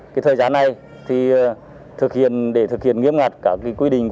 công an thị xã hồng lĩnh đã thực hiện nghiêm ngặt các quy định